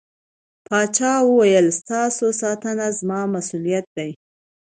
پاچا وويل: ستاسو ساتنه زما مسووليت دى.